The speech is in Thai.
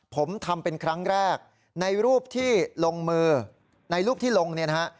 ผมทำเป็นครั้งแรกในรูปที่ลงมือในรูปที่ลงเนี่ยนะฮะ